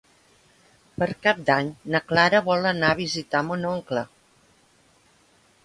Per Cap d'Any na Clara vol anar a visitar mon oncle.